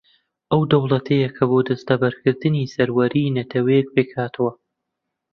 ئەو دەوڵەتەیە کە بۆ دەستەبەرکردنی سەروەریی نەتەوەیەک پێک ھاتووە